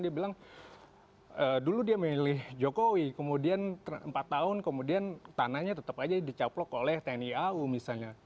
dia bilang dulu dia memilih jokowi kemudian empat tahun kemudian tanahnya tetap aja dicaplok oleh tni au misalnya